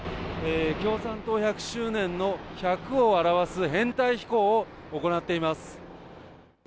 共産党１００周年の１００を表す編隊飛行を行っています。